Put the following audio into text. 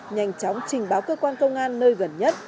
nhanh chóng trình báo cơ quan công an nơi gần nhất